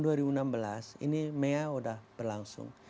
jadi mea sudah berlangsung